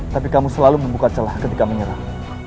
tapi kamu selalu membuka celah ketika menyerang